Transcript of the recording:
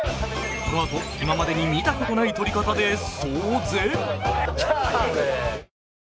このあと今までに見た事ない取り方で騒然